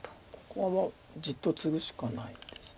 ここはじっとツグしかないです。